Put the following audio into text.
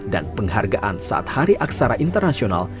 dan penghargaan sat hari aksara internasional